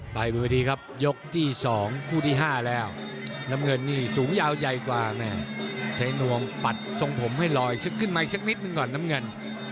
ไปบนวิธีครับยกที่๒คู่ที่๕แล้วน้ำเงินนี่สูงยาวใหญ่กว่าแม่ใช้นวงปัดทรงผมให้ลอยซึกขึ้นมาอีกสักนิดหนึ่งก่อนน้ำเงิน